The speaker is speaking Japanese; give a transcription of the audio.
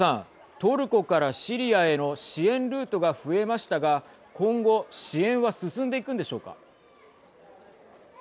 トルコからシリアへの支援ルートが増えましたが今後支援は進んでいくんでしょうか。